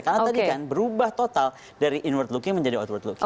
karena tadi kan berubah total dari inward looking menjadi outward looking